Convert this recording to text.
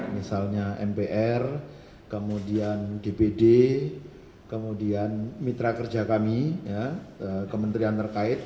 misalnya mpr kemudian dpd kemudian mitra kerja kami kementerian terkait